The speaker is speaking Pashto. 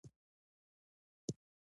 به موږ خپلې ژبې او قوم ته لوى خدمت کړى وي.